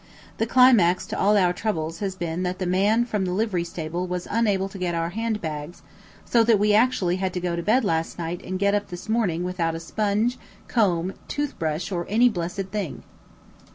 The climax to all our troubles has been that the man from the livery stable was unable to get our hand bags, so that we actually had to go to bed last night and get up this morning without a sponge, comb, toothbrush, or any blessed thing.